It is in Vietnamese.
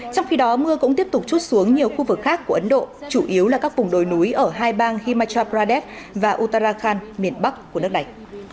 trong khi đó mưa cũng tiếp tục chút xuống nhiều khu vực khác của ấn độ chủ yếu là các vùng đồi núi ở hai bang himachra pradesh và utarakhand miền bắc của nước này